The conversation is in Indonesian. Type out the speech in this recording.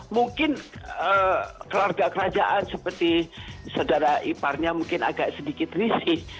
mungkin keluarga kerajaan seperti saudara iparnya mungkin agak sedikit risih